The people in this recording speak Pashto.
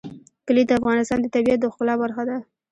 کلي د افغانستان د طبیعت د ښکلا برخه ده.